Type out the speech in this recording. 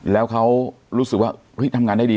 แล้วเขารู้สึกว่าทำงานได้ดี